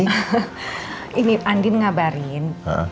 nanti aku langsung kabarin ya